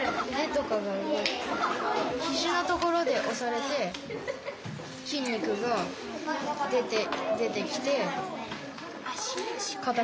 ひじのところでおされてきん肉が出てきてかたくなる。